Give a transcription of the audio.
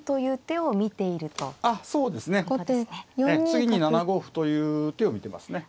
次に７五歩という手を見てますね。